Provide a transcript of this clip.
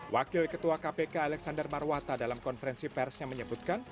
wakil ketua kpk alexander marwata dalam konferensi persnya menyebutkan